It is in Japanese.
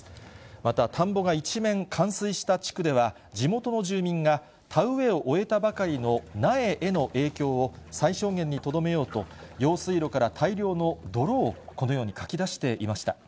また、田んぼが一面、冠水した地区では、地元の住民が、田植えを終えたばかりの苗への影響を最小限にとどめようと、用水路から大量の泥をこのようにかき出していました。